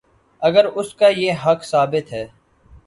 اگراس کا یہ حق ثابت ہے۔